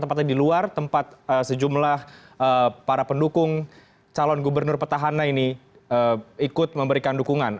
tempatnya di luar tempat sejumlah para pendukung calon gubernur petahana ini ikut memberikan dukungan